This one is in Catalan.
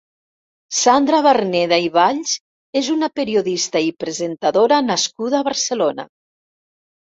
Sandra Barneda i Valls és una periodista i presentadora nascuda a Barcelona.